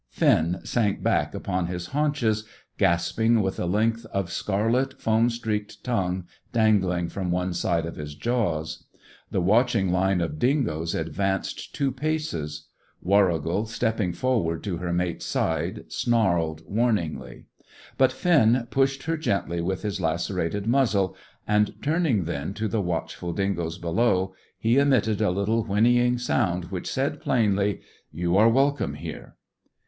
Finn sank back upon his haunches, gasping, with a length of scarlet, foam streaked tongue dangling from one side of his jaws. The watching line of dingoes advanced two paces. Warrigal, stepping forward to her mate's side, snarled warningly. But Finn pushed her gently with his lacerated muzzle, and, turning then to the watchful dingoes below, he emitted a little whinnying sound which said plainly: "You are welcome here!"